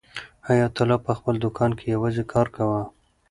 حیات الله په خپل دوکان کې یوازې کار کاوه.